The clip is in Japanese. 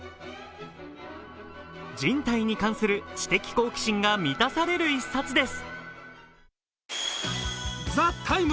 人体に関する知的好奇心が満たされる一冊です。